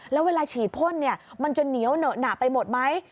แล้วเวลาฉีดพ่นมันจะเหนียวเหนอะหนาไปหมดไหม